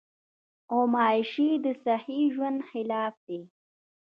غوماشې د صحي ژوند خلاف دي.